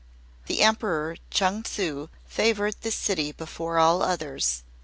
The Emperor Chung Tsu favored this city before all others.